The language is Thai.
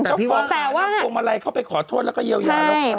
แต่พี่ว่าข้อสบงอะไรเข้าไปขอโทษแล้วก็เยียวยาหรอกค่ะ